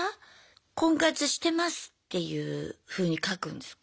「婚活してます」っていうふうに書くんですか？